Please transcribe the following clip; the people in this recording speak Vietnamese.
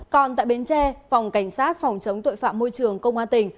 còn tại bến tre phòng cảnh sát phòng chống tội phạm môi trường công an tỉnh